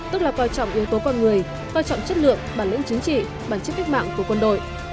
tức là coi trọng yếu tố con người quan trọng chất lượng bản lĩnh chính trị bản chất cách mạng của quân đội